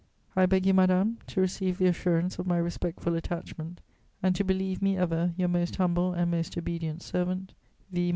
"I beg you, madame, to receive the assurance of my respectful attachment, and to believe me ever "Your most humble and most obedient servant, "V.